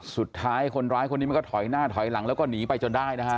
สุดท้ายคนร้ายคนนี้มันก็ถอยหน้าถอยหลังแล้วก็หนีไปจนได้นะฮะ